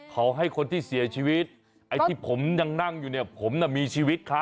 เขาให้คนที่เสียชีวิตไอ้ที่ผมยังนั่งอยู่เนี่ยผมน่ะมีชีวิตคะ